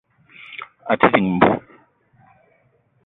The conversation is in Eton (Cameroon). À te dìng mbú